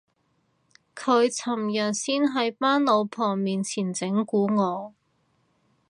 佢尋日先喺班老婆面前整蠱我